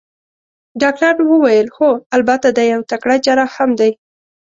ډاکټر وویل: هو، البته دی یو تکړه جراح هم دی.